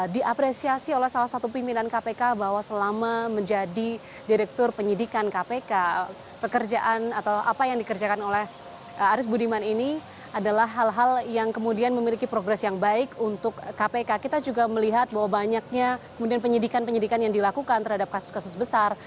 dan juga kita melihat bahwa banyaknya penyidikan penyidikan yang dilakukan terhadap kasus kasus besar